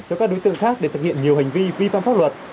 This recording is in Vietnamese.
cho các đối tượng khác để thực hiện nhiều hành vi vi phạm pháp luật